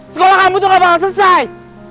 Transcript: sekolah kamu tuh gak bakalan selesai